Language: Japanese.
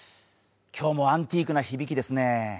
今日もアンティークな響きですね。